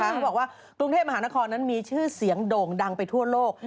เขาบอกว่ากรุงเทพมหานครนั้นมีชื่อเสียงโด่งดังไปทั่วโลก